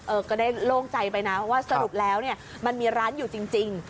ก็ได้โล่งใจไปนะว่าสรุปแล้วเนี่ยมันมีร้านอยู่จริง